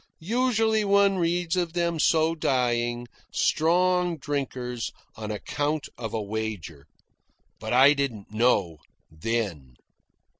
Usually one reads of them so dying, strong drinkers, on account of a wager. But I didn't know then.